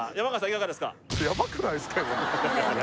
いかがですか？